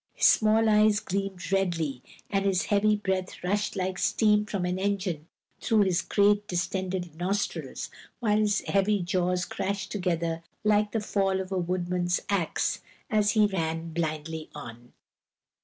His small eyes gleamed redly, and his heavy breath rushed like steam from an engine through his great distended nostrils, while his heavy jaws crashed together like the fall of a woodman's axe, as he ran blindly on.